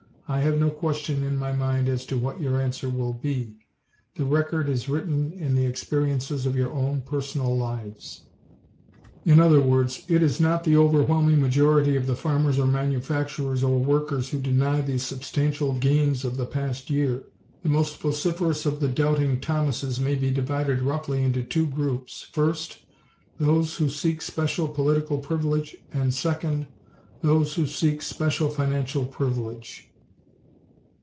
I have no question in my mind as to what your answer will be. The record is written in the experiences of your own personal lives. In other words, it is not the overwhelming majority of the farmers or manufacturers or workers who deny the substantial gains of the past year. The most vociferous of the Doubting Thomases may be divided roughly into two groups: First, those who seek special political privilege and, second, those who seek special financial privilege.